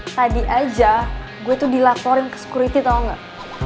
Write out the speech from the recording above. tadi aja gua tuh dilaporin ke security tau nggak